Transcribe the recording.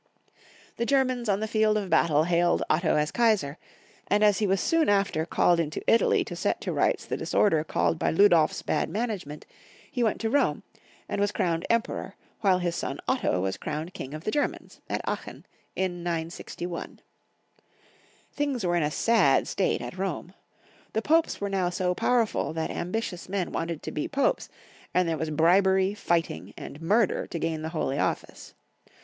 The Germans on the field of battle hailed Otto as Kaisar; and as he was soon after called into Italy to set to rights the disorder caused by Ludolf s bad management, he went to Rome, and was crowned Emperor, while his son Otto was crowned King of the Germans, at Aachen, in 961. Things were in a sad state at Rome. The Popes were now so powerful that ambitious men wanted to be Popes, and there was bribery, fighting, and murder to gain the holy office.